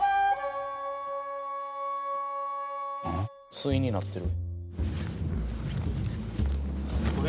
対になってる。